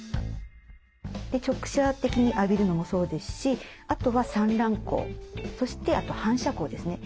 直射的に浴びるのもそうですしあとは散乱光そしてあと反射光ですね。